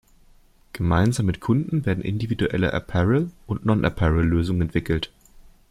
Gemeinsam mit Kunden werden individuelle "Apparel"- und "Non-Apparel"-Lösungen entwickelt.